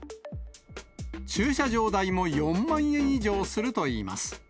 駐車場代も４万円以上するといいます。